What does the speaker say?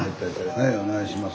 はいお願いします。